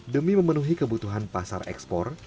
demi memenuhi kebutuhan pasar ekspor